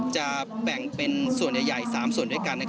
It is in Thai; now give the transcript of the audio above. จะแบ่งเป็นส่วนใหญ่๓ส่วนด้วยกัน